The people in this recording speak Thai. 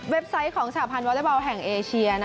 เว็บไซต์ของสาธารณ์วอลเลอร์บอลแห่งเอเชีย